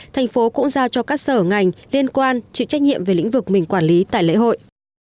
thành phố cũng giao cho các sở ngành liên quan chịu trách nhiệm về lĩnh vực mình quản lý tại lễ hội